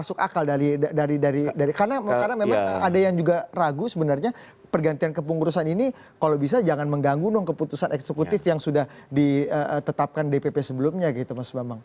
masuk akal dari karena memang ada yang juga ragu sebenarnya pergantian kepengurusan ini kalau bisa jangan mengganggu dong keputusan eksekutif yang sudah ditetapkan dpp sebelumnya gitu mas bambang